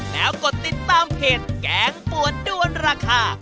แล้วกดติดตามเพจแกงปวดด้วนราคา